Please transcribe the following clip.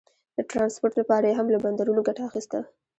د ټرانسپورټ لپاره یې هم له بندرونو ګټه اخیسته.